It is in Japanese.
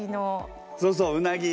そうそううなぎ。